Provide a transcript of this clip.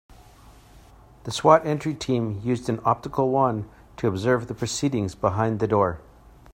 The S.W.A.T. entry team used an optical wand to observe the proceedings behind the door.